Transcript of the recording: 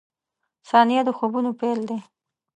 • ثانیه د خوبونو پیل دی.